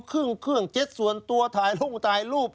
เครื่องเจ็ตส่วนตัวถ่ายรุ่งถ่ายรูป